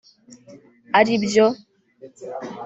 ari byo